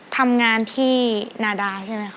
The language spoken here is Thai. ทำงานที่นาดาใช่ไหมคะ